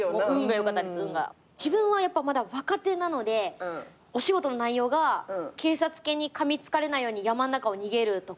自分はやっぱまだ若手なのでお仕事の内容が警察犬にかみつかれないように山の中を逃げるとか。